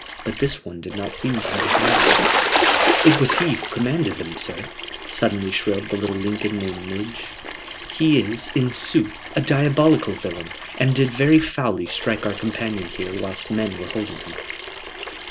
But this one did not seem to have a hand in it." "It was he who commanded them, sir," suddenly shrilled the little Lincoln named Midge. "He is, in sooth, a diabolical villain, and did very foully strike our companion here whilst men were holding him."